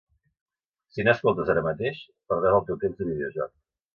Si no escoltes ara mateix, perdràs el teu temps de videojoc.